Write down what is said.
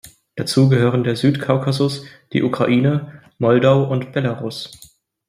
Dazu gehören der Südkaukasus, die Ukraine, Moldau und Belarus.